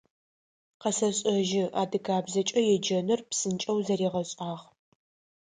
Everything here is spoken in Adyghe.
Къэсэшӏэжьы, адыгабзэкӏэ еджэныр псынкӏэу зэригъэшӏагъ.